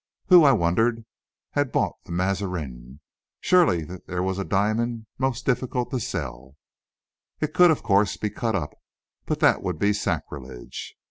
Who, I wondered, had bought the Mazarin? Surely there was a diamond most difficult to sell. It could, of course, be cut up but that would be sacrilege!